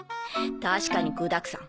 確かに具だくさん。